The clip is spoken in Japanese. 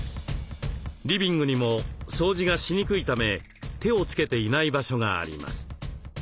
リビングにも掃除がしにくいため手をつけていない場所があります。